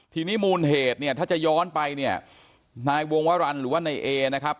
ทีนี้มูลเหตุเนี่ยถ้าจะย้อนไปเนี่ยนายวงวรรณหรือว่านายเอนะครับ